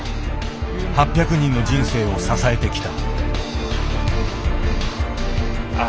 ８００人の人生を支えてきた。